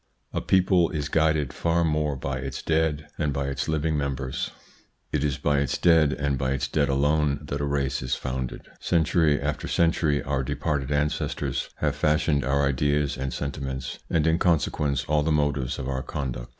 A people is guided far more by its dead than by its living members. It is by its dead, and by its dead alone, that a race is founded. Century after century our departed ancestors have fashioned our ideas and sentiments, and in consequence all the motives of our conduct.